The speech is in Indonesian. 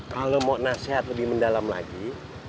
kalau mau nasihat lebih mendalam lagi